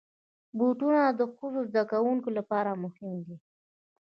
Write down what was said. بوټونه د ښوونځي زدهکوونکو لپاره مهم دي.